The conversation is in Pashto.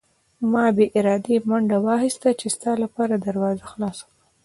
ما بې ارادې منډه واخیسته چې ستا لپاره دروازه خلاصه کړم.